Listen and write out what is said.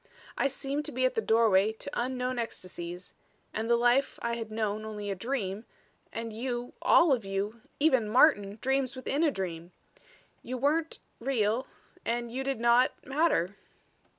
"I seemed to be at the doorway to unknown ecstasies and the life I had known only a dream and you, all of you even Martin, dreams within a dream. You weren't real and you did not matter."